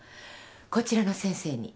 こちらの先生に。